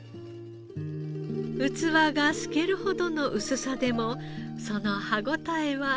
器が透けるほどの薄さでもその歯応えは格別。